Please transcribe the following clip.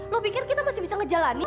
lo pikir kita masih bisa ngejalani